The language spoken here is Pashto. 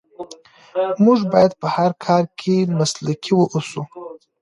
موږ باید په هر کار کې مسلکي واوسو.